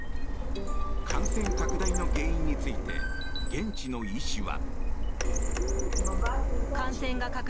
感染拡大の原因について現地の医師は。